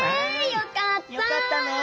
よかったね。